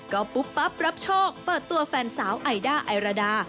ก็ปุ๊บปั๊บรับโชคเปิดตัวแฟนสาวไอด้าไอราดา